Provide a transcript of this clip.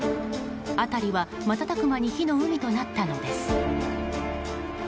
辺りは瞬く間に火の海となったのです。